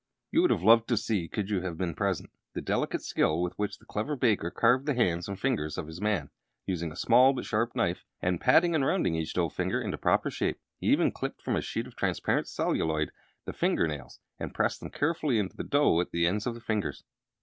You would have loved to see, could you have been present, the delicate skill with which the clever baker carved the hands and fingers of his man, using a small but sharp knife, and patting and rounding each dough finger into proper shape. He even clipped from a sheet of transparent celluloid the fingernails, and pressed them carefully into the dough at the ends of the fingers.